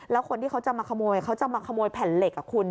แล้วคนที่เขาจะมาขโมยเขาจะมาขโมยแผ่นเหล็กคุณ